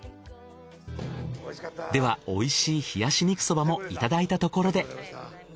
では美味しい冷やし肉そばもいただいたところで。